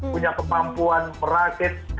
punya kemampuan merakit